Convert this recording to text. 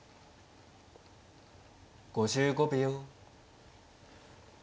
５５秒。